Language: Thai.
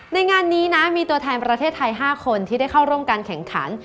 ในงานนี้นะมีตัวแทนประเทศไทย๕คนที่ได้เข้าร่วมการแข่งขัน